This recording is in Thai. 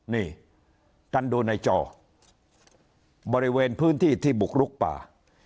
นี่ท่านดูในจอบริเวณพื้นที่ที่บุกลุกป่า